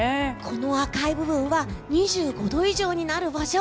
この赤い部分は２５度以上になる場所。